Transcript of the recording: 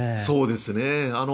そうですね。